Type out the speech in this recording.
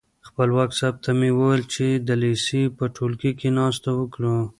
خپلواک صاحب ته مې وویل چې د لېسې په ټولګي کې ناسته وکړو.